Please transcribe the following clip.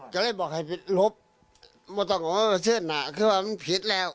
ก็เลยบอกให้ลบว่าเชื่อหนาเพราะว่ามันผิดแล้ว